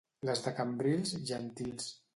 Les de Cambrils, gentils.